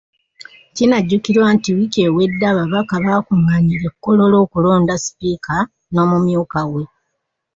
Kinajjukirwa nti wiiki ewedde ababaka bakungaanira e Kololo okulonda sipiika n’omumyuka we .